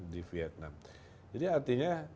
di vietnam jadi artinya